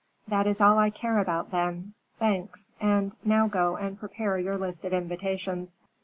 "That is all I care about, then. Thanks; and now go and prepare your list of invitations."